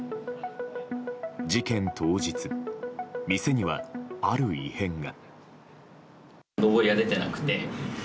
事件当日、店にはある異変が。